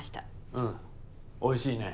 うん美味しいね。